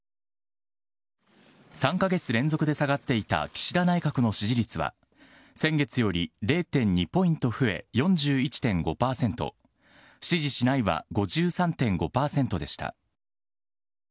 ３か月連続で下がっていた岸田内閣の支持率は、先月より０．２ポイント増え、４１．５％、支持しないは５３．５％でした。